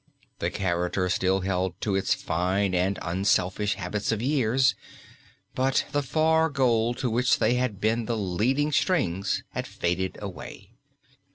The character still held to its fine and unselfish habits of years, but the far goal to which they had been the leading strings had faded away.